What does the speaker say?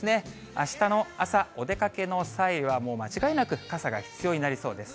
あしたの朝、お出かけの際はもう間違いなく傘が必要になりそうです。